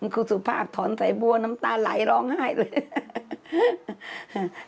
คุณสุภาพถอนสายบัวน้ำตาไหลร้องไห้เลย